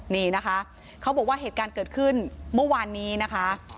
นี่นะคะเขาบอกว่าเหตุการณ์เกิดขึ้นเมื่อวานนี้นะคะ